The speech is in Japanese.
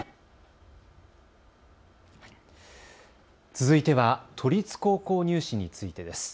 続いては都立高校入試についてです。